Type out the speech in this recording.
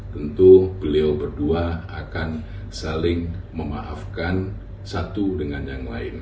tentu beliau berdua akan saling memaafkan satu dengan yang lain